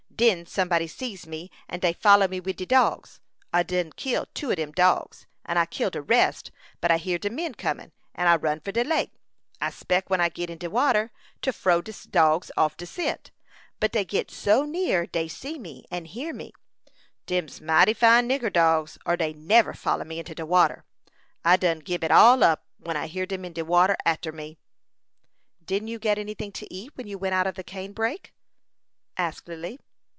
Den somebody sees me, and dey follow me wid de dogs. I done kill two of dem dogs, and I kill de rest, but I hear de men coming, and I run for de lake. I speck, when I git in de water, to frow de dogs off de scent, but dey git so near dey see and hear me. Dem's mighty fine nigger dogs, or dey never follor me into de water. I done gib it all up when I hear dem in de water arter me." "Did you get any thing to eat when you went out of the cane brake," asked Lily.